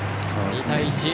２対１。